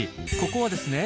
ここはですね